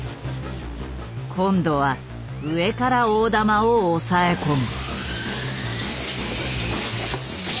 今度は上から大玉を押さえ込む。